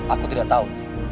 aku tidak tahu